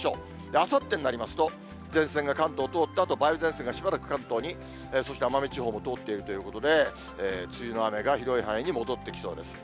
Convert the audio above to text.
あさってになりますと、前線が関東を通ったあと、梅雨前線がしばらく関東に、そして奄美地方も通っていくということで、梅雨の雨が広い範囲に戻ってきそうです。